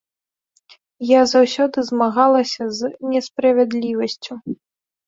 Я заўсёды змагалася з несправядлівасцю.